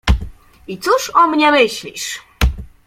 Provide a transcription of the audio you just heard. "I cóż o mnie myślisz?"